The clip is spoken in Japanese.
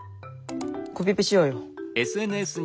コピペしようよ。